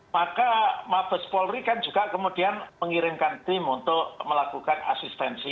maka mabes polri kan juga kemudian mengirimkan tim untuk melakukan asistensi